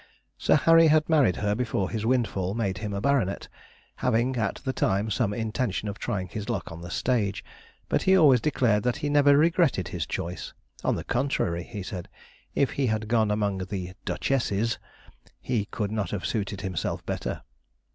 Sir Harry had married her before his windfall made him a baronet, having, at the time, some intention of trying his luck on the stage, but he always declared that he never regretted his choice; on the contrary, he said, if he had gone among the 'duchesses,' he could not have suited himself better.